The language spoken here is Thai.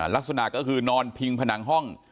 ลักษณะก็คือนอนพิงผนังห้อง